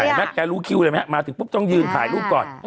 แกรู้คิวเลยไหมฮะมาถึงปุ๊บต้องยืนถ่ายรูปก่อน